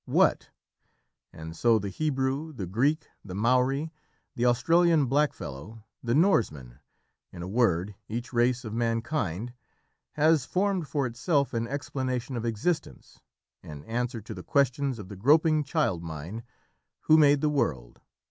"What?" and so the Hebrew, the Greek, the Maori, the Australian blackfellow, the Norseman in a word, each race of mankind has formed for itself an explanation of existence, an answer to the questions of the groping child mind "Who made the world?"